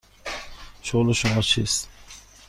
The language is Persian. شغل شما چیست؟